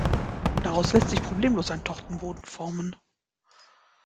Daraus lässt sich problemlos ein Tortenboden formen.